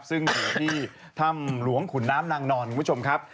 ซึ่งอยู่ที่ถ้ำหลวงขุนน้ำนางนอนคุณผู้ชมครับ